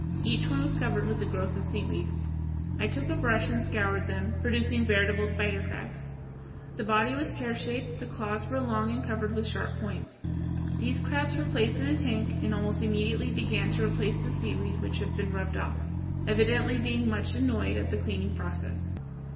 Each one was covered with a growth of seaweed. I took a brush and scoured them, producing veritable spider crabs (Fig. 150). The body was pear shaped; the claws were long and covered with sharp points. These crabs were placed in a tank, and almost immediately began to replace the seaweed which had been rubbed off, evidently being much annoyed at the cleaning process.